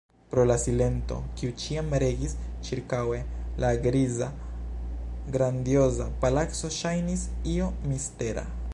Pro la silento, kiu ĉiam regis ĉirkaŭe, la griza, grandioza palaco ŝajnis io mistera.